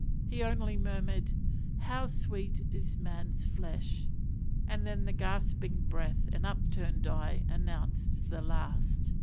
He only murmured "How sweet is man's flesh," and then the gasping breath and upturned eye announced the last moment.